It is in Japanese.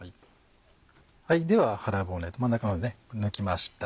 では腹骨真ん中まで抜きました。